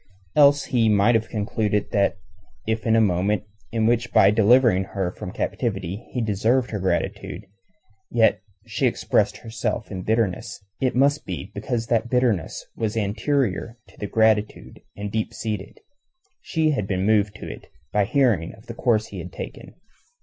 Else he might have concluded that if in a moment in which by delivering her from captivity he deserved her gratitude, yet she expressed herself in bitterness, it must be because that bitterness was anterior to the gratitude and deep seated. She had been moved to it by hearing of the course he had taken.